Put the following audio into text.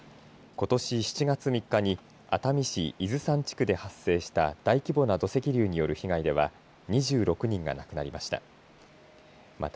ことし７月３日に熱海市伊豆山地区で発生した大規模な土石流による被害では２６人が亡くなりました。